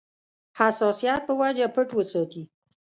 حساسیت په وجه پټ وساتي.